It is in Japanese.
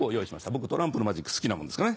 僕トランプのマジック好きなもんですからね。